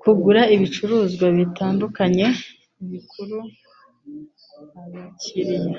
kugura ibicuruzwa bitandukanye bikurura abakiriya